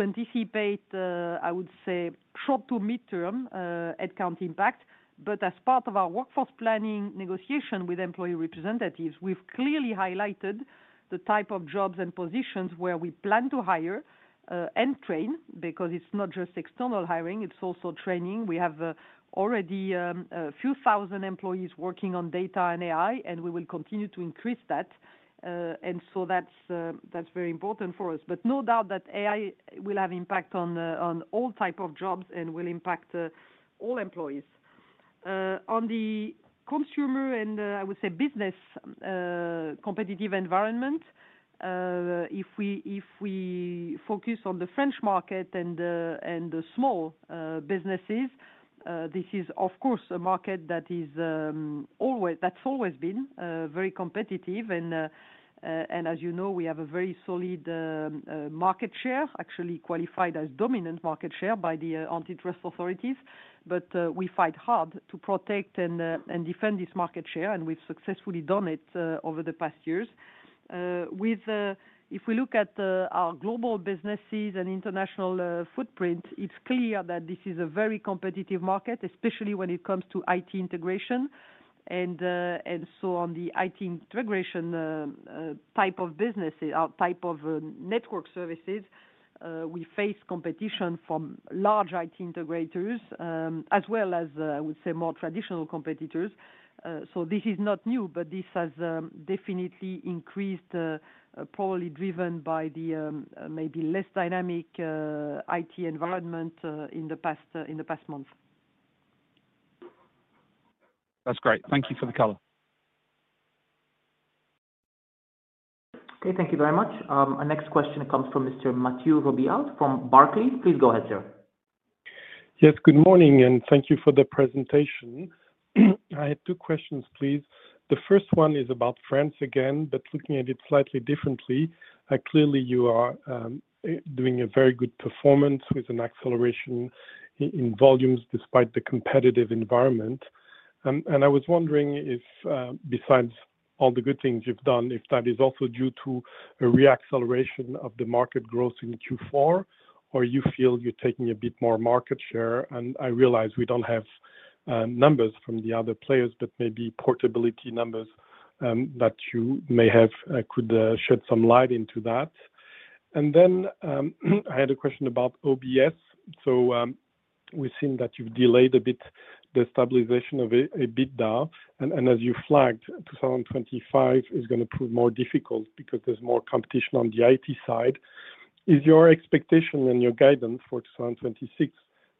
anticipate, I would say, short to midterm headcount impact, but as part of our workforce planning negotiation with employee representatives, we've clearly highlighted the type of jobs and positions where we plan to hire and train because it's not just external hiring, it's also training. We have already a few thousand employees working on data and AI, and we will continue to increase that. And so that's very important for us. But no doubt that AI will have impact on all types of jobs and will impact all employees. On the consumer and, I would say, business competitive environment, if we focus on the French market and the small businesses, this is, of course, a market that's always been very competitive. As you know, we have a very solid market share, actually qualified as dominant market share by the antitrust authorities, but we fight hard to protect and defend this market share, and we've successfully done it over the past years. If we look at our global businesses and international footprint, it's clear that this is a very competitive market, especially when it comes to IT integration. On the IT integration type of businesses, our type of network services, we face competition from large IT integrators as well as, I would say, more traditional competitors. This is not new, but this has definitely increased, probably driven by the maybe less dynamic IT environment in the past month. That's great. Thank you for the color. Okay. Thank you very much. Our next question comes from Mr. Mathieu Robillard from Barclays. Please go ahead, sir. Yes, good morning, and thank you for the presentation. I had two questions, please. The first one is about France again, but looking at it slightly differently. Clearly, you are doing a very good performance with an acceleration in volumes despite the competitive environment. And I was wondering if, besides all the good things you've done, if that is also due to a reacceleration of the market growth in Q4, or you feel you're taking a bit more market share. And I realize we don't have numbers from the other players, but maybe portability numbers that you may have could shed some light into that. And then I had a question about OBS. So we've seen that you've delayed a bit the stabilization of EBITDA, and as you flagged, 2025 is going to prove more difficult because there's more competition on the IT side. Is your expectation and your guidance for 2026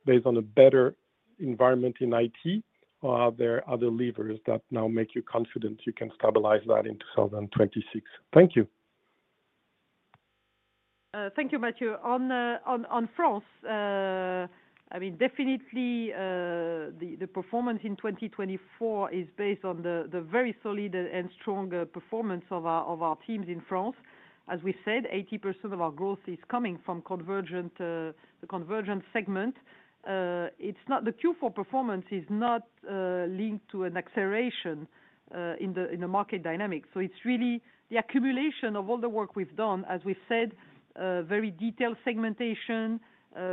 based on a better environment in IT, or are there other levers that now make you confident you can stabilize that in 2026? Thank you. Thank you, Mathieu. On France, I mean, definitely the performance in 2024 is based on the very solid and strong performance of our teams in France. As we said, 80% of our growth is coming from the convergent segment. The Q4 performance is not linked to an acceleration in the market dynamic. So it's really the accumulation of all the work we've done, as we've said, very detailed segmentation,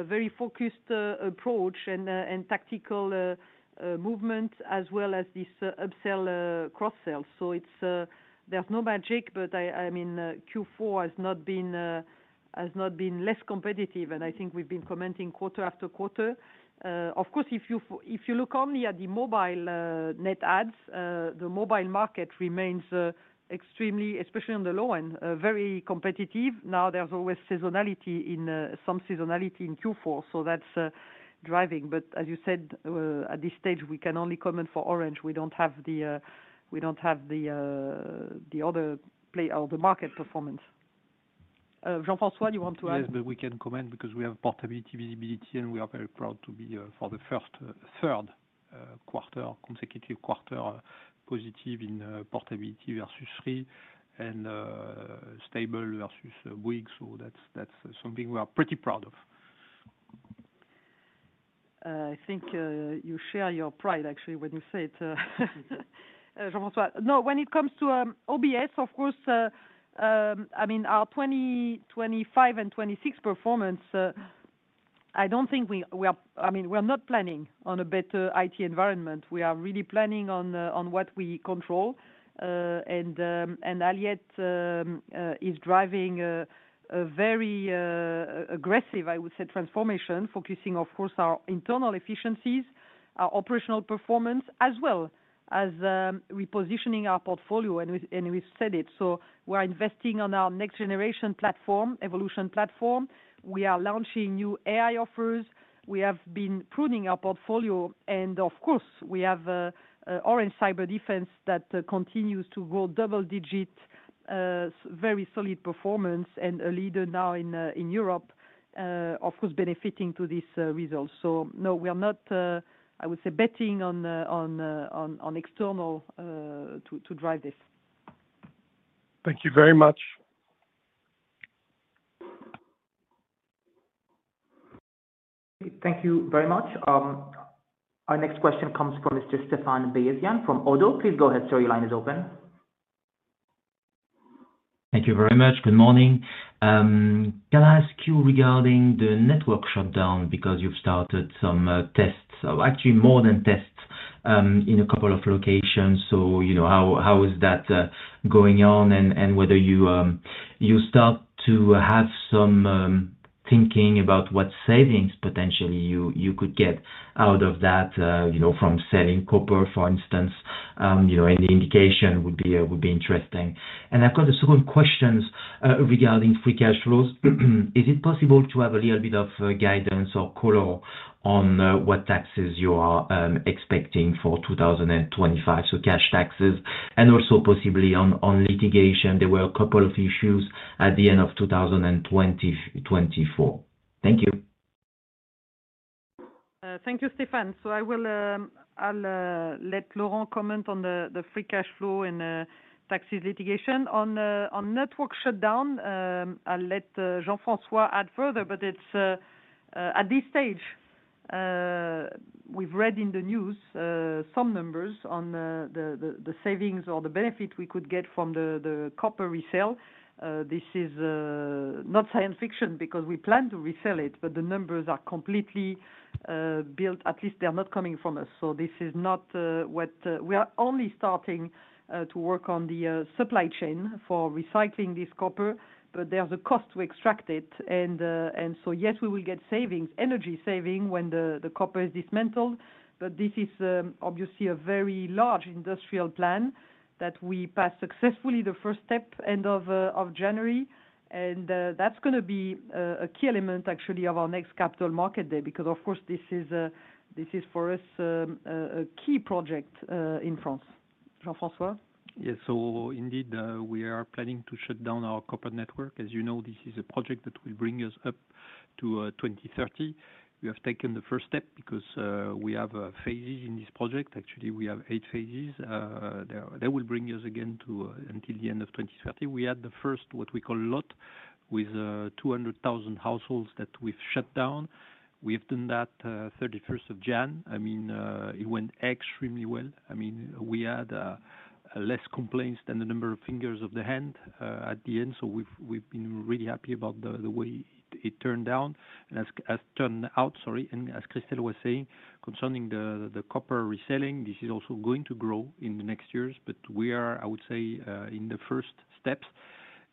very focused approach, and tactical movement, as well as this upsell cross-sell. So there's no magic, but I mean, Q4 has not been less competitive, and I think we've been commenting quarter after quarter. Of course, if you look only at the mobile net adds, the mobile market remains extremely, especially on the low end, very competitive. Now, there's always seasonality, some seasonality in Q4, so that's driving. But as you said, at this stage, we can only comment for Orange. We don't have the other play or the market performance. Jean-François, you want to add? Yes, but we can comment because we have portability visibility, and we are very proud to be for the third quarter, consecutive quarter positive in portability versus Free and stable versus Bouygues. So that's something we are pretty proud of. I think you share your pride, actually, when you say it. Jean-François. No, when it comes to OBS, of course, I mean, our 2025 and 2026 performance, I don't think we are I mean, we're not planning on a better IT environment. We are really planning on what we control. Aliette is driving a very aggressive, I would say, transformation, focusing, of course, on our internal efficiencies, our operational performance, as well as repositioning our portfolio. We've said it. We're investing on our next-generation platform, Evolution Platform. We are launching new AI offers. We have been pruning our portfolio. Of course, we have Orange Cyberdefense that continues to grow double-digit, very solid performance, and a leader now in Europe, of course, benefiting to this result. No, we're not, I would say, betting on external to drive this. Thank you very much. Thank you very much. Our next question comes from Mr. Stéphane Beyazian from Oddo BHF. Please go ahead. Sorry, your line is open. Thank you very much. Good morning. Can I ask you regarding the network shutdown because you've started some tests, actually more than tests in a couple of locations? So how is that going on and whether you start to have some thinking about what savings potentially you could get out of that from selling copper, for instance? Any indication would be interesting. And I've got a second question regarding free cash flows. Is it possible to have a little bit of guidance or color on what taxes you are expecting for 2025? So cash taxes and also possibly on litigation. There were a couple of issues at the end of 2024. Thank you. Thank you, Stéphane. So I'll let Laurent comment on the free cash flow and taxes litigation. On network shutdown, I'll let Jean-François add further, but at this stage, we've read in the news some numbers on the savings or the benefit we could get from the copper resale. This is not science fiction because we plan to resell it, but the numbers are completely bullshit. At least they're not coming from us. So this is not what we're only starting to work on the supply chain for recycling this copper, but there's a cost to extract it. And so yes, we will get savings, energy savings when the copper is dismantled, but this is obviously a very large industrial plan that we passed successfully the first step end of January. And that's going to be a key element, actually, of our next Capital Market Day because, of course, this is for us a key project in France. Jean-François? Yes. So indeed, we are planning to shut down our copper network. As you know, this is a project that will bring us up to 2030. We have taken the first step because we have phases in this project. Actually, we have eight phases. That will bring us again to until the end of 2030. We had the first, what we call LOT, with 200,000 households that we've shut down. We have done that 31st of January. I mean, it went extremely well. I mean, we had less complaints than the number of fingers of the hand at the end. So we've been really happy about the way it turned out. And as turned out, sorry, and as Christel was saying, concerning the copper reselling, this is also going to grow in the next years, but we are, I would say, in the first steps.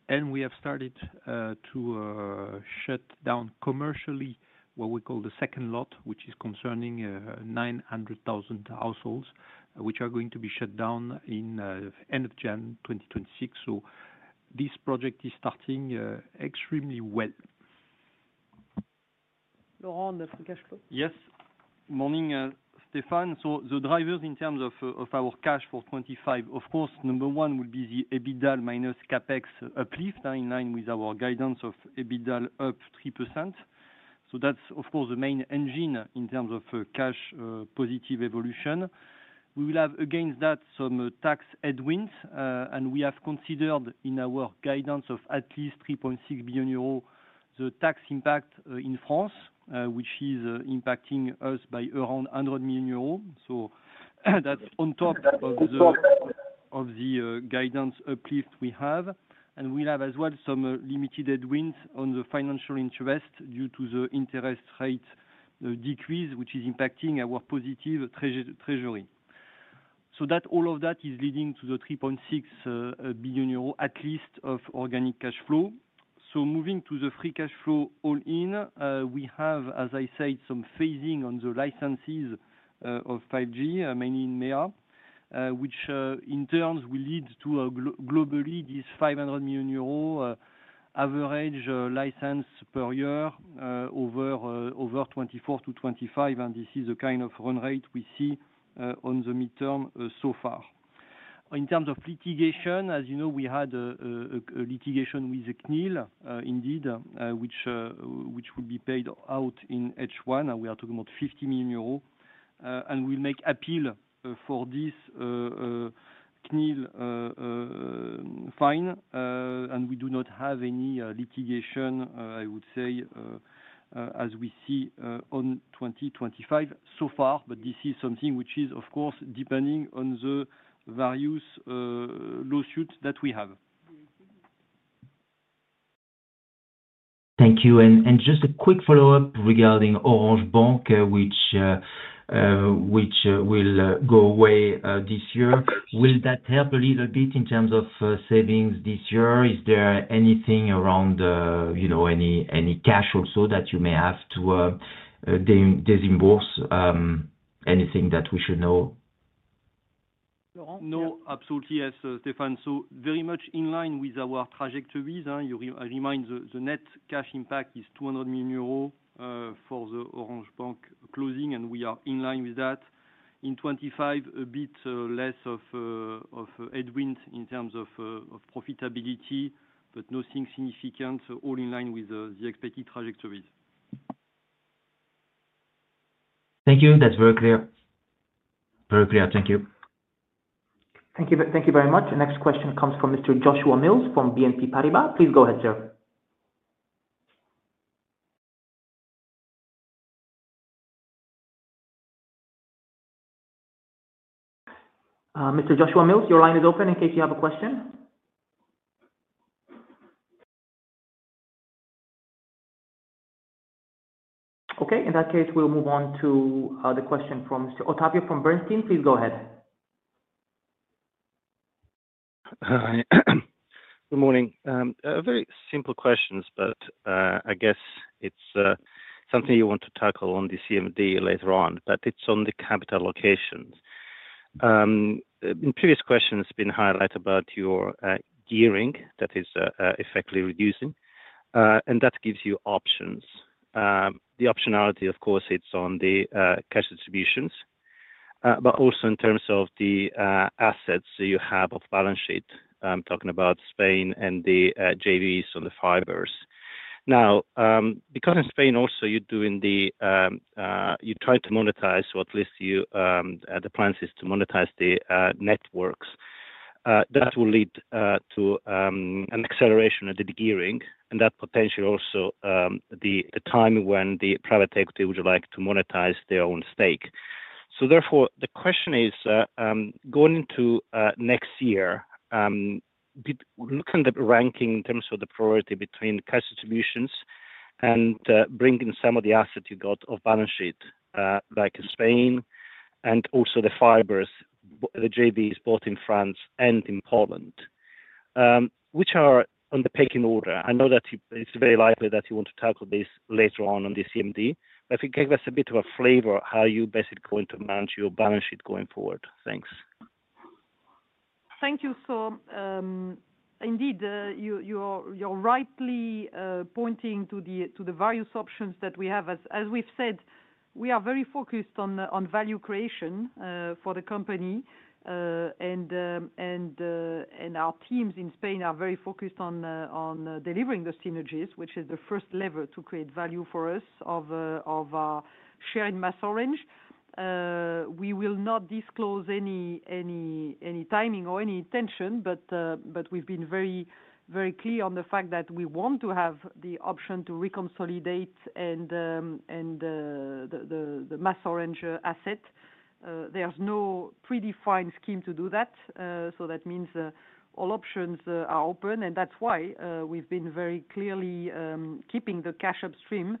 We have started to shut down commercially what we call the second LOT, which is concerning 900,000 households, which are going to be shut down in end of January 2026. This project is starting extremely well. Laurent on the free cash flow. Yes. Morning, Stéphane. So the drivers in terms of our cash for 2025, of course, number one would be the EBITDA minus CapEx uplift in line with our guidance of EBITDA up 3%. So that's, of course, the main engine in terms of cash positive evolution. We will have against that some tax headwinds, and we have considered in our guidance of at least 3.6 billion euros the tax impact in France, which is impacting us by around 100 million euros. So that's on top of the guidance uplift we have. And we will have as well some limited headwinds on the financial interest due to the interest rate decrease, which is impacting our positive treasury. So all of that is leading to at least EUR 3.6 billion of organic cash flow. Moving to the Free Cash Flow all-in, we have, as I said, some phasing on the licenses of 5G, mainly in MEA, which in turn will lead to globally this 500 million euro average license per year over 2024 to 2025. This is the kind of run rate we see on the midterm so far. In terms of litigation, as you know, we had a litigation with CNIL indeed, which will be paid out in H1, and we are talking about 50 million euros. We'll make appeal for this CNIL fine, and we do not have any litigation, I would say, as we see on 2025 so far, but this is something which is, of course, depending on the various lawsuits that we have. Thank you, and just a quick follow-up regarding Orange Bank, which will go away this year. Will that help a little bit in terms of savings this year? Is there anything around any cash also that you may have to disburse? Anything that we should know? Laurent? No, absolutely. Yes, Stéphane. So very much in line with our trajectories. I remind you, the net cash impact is 200 million euros for the Orange Bank closing, and we are in line with that. In 2025, a bit less of headwinds in terms of profitability, but nothing significant, all in line with the expected trajectories. Thank you. That's very clear. Very clear. Thank you. Thank you very much. Next question comes from Mr. Joshua Mills from BNP Paribas. Please go ahead, sir. Mr. Joshua Mills, your line is open in case you have a question. Okay. In that case, we'll move on to the question from Mr. Ottavio from Bernstein. Please go ahead. Good morning. Very simple questions, but I guess it's something you want to tackle on the CMD later on, but it's on the capital allocations. In previous questions, it's been highlighted about your gearing that is effectively reducing, and that gives you options. The optionality, of course, it's on the cash distributions, but also in terms of the assets you have off balance sheet. I'm talking about Spain and the JVs on the fibers. Now, because in Spain also, you're trying to monetize or at least the plan is to monetize the networks. That will lead to an acceleration of the gearing, and that potentially also the time when the private equity would like to monetize their own stake. So therefore, the question is, going into next year, looking at the ranking in terms of the priority between cash distributions and bringing some of the assets you've got off balance sheet, like Spain, and also the fibers, the JVs both in France and in Poland, which are on the pecking order. I know that it's very likely that you want to tackle this later on the CMD, but if you give us a bit of a flavor of how you're basically going to manage your balance sheet going forward. Thanks. Thank you. So indeed, you're rightly pointing to the various options that we have. As we've said, we are very focused on value creation for the company, and our teams in Spain are very focused on delivering the synergies, which is the first lever to create value for us of sharing MasOrange. We will not disclose any timing or any intention, but we've been very, very clear on the fact that we want to have the option to reconsolidate the MasOrange asset. There's no predefined scheme to do that. So that means all options are open, and that's why we've been very clearly keeping the cash upstream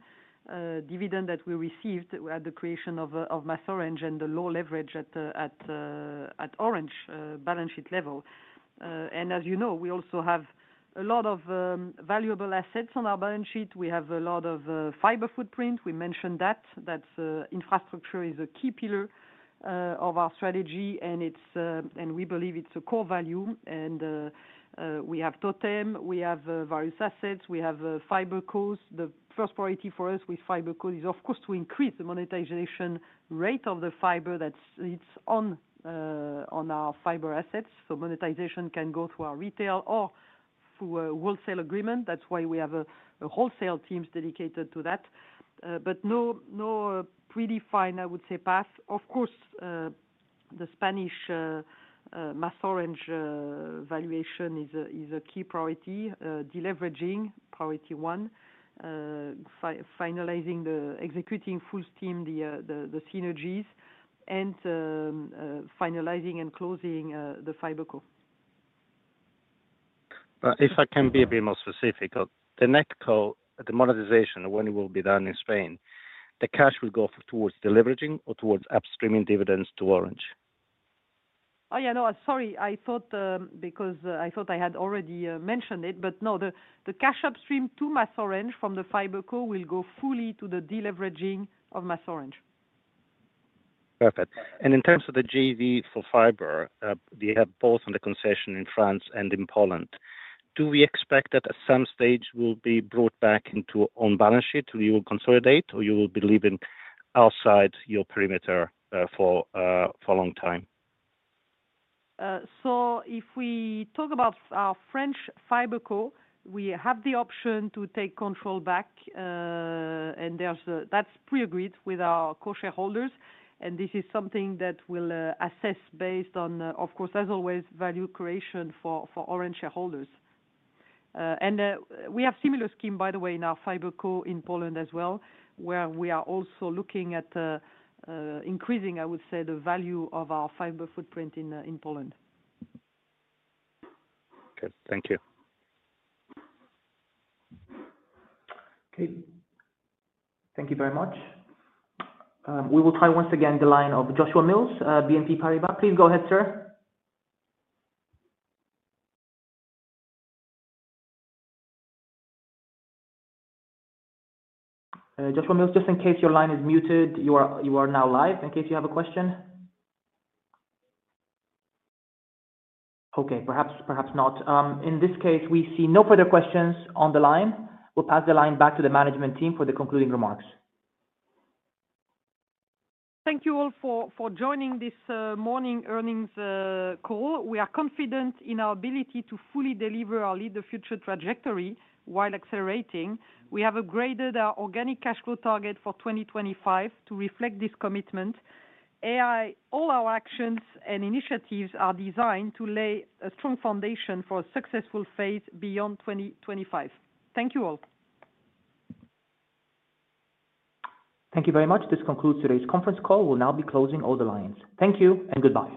dividend that we received at the creation of MasOrange and the low leverage at Orange balance sheet level. And as you know, we also have a lot of valuable assets on our balance sheet. We have a lot of fiber footprint. We mentioned that. That infrastructure is a key pillar of our strategy, and we believe it's a core value. And we have Totem, we have various assets, we have FiberCo. The first priority for us with FiberCo is, of course, to increase the monetization rate of the fiber that sits on our fiber assets. So monetization can go through our retail or through a wholesale agreement. That's why we have wholesale teams dedicated to that. But no predefined, I would say, path. Of course, the Spanish MasOrange valuation is a key priority, deleveraging, priority one, finalizing the executing full steam, the synergies, and finalizing and closing the FiberCo. If I can be a bit more specific, the NetCo, the monetization, when it will be done in Spain, the cash will go towards deleveraging or towards upstreaming dividends to Orange? Oh, yeah, no, sorry. I thought because I thought I had already mentioned it, but no, the cash upstream to MasOrange from the FiberCo will go fully to the deleveraging of MasOrange. Perfect. And in terms of the JV for fiber, you have both on the concession in France and in Poland. Do we expect that at some stage will be brought back into own balance sheet? Will you consolidate or you will be leaving outside your perimeter for a long time? So if we talk about our French FiberCo, we have the option to take control back, and that's pre-agreed with our core shareholders. And this is something that we'll assess based on, of course, as always, value creation for Orange shareholders. And we have a similar scheme, by the way, in our FiberCo in Poland as well, where we are also looking at increasing, I would say, the value of our fiber footprint in Poland. Good. Thank you. Okay. Thank you very much. We will try once again the line of Joshua Mills, BNP Paribas. Please go ahead, sir. Joshua Mills, just in case your line is muted, you are now live in case you have a question. Okay. Perhaps not. In this case, we see no further questions on the line. We'll pass the line back to the management team for the concluding remarks. Thank you all for joining this morning earnings call. We are confident in our ability to fully deliver our Lead the Future trajectory while accelerating. We have upgraded our organic cash flow target for 2025 to reflect this commitment. All our actions and initiatives are designed to lay a strong foundation for a successful phase beyond 2025. Thank you all. Thank you very much. This concludes today's conference call. We'll now be closing all the lines. Thank you and goodbye.